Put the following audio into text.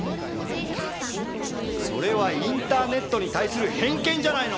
それはインターネットに対する偏見じゃないの！